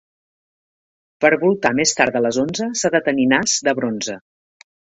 Per voltar més tard de les onze s'ha de tenir nas de bronze.